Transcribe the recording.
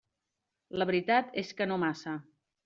La veritat és que no massa.